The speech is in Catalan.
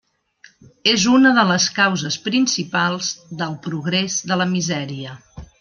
És una de les causes principals del «progrés de la misèria».